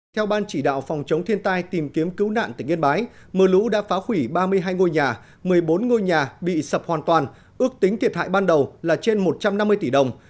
theo ban chỉ đạo phòng chống thiên tai tìm kiếm cứu nạn tỉnh yên bái mưa lũ đã phá hủy ba mươi hai ngôi nhà một mươi bốn ngôi nhà bị sập hoàn toàn ước tính thiệt hại ban đầu là trên một trăm năm mươi tỷ đồng